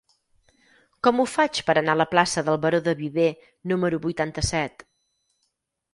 Com ho faig per anar a la plaça del Baró de Viver número vuitanta-set?